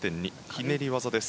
ひねり技です。